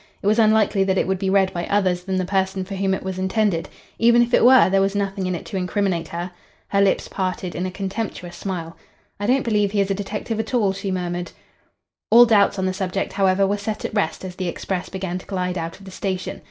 It was unlikely that it would be read by others than the person for whom it was intended. Even if it were, there was nothing in it to incriminate her. Her lips parted in a contemptuous smile. "I don't believe he is a detective at all," she murmured. All doubts on the subject, however, were set at rest as the express began to glide out of the station.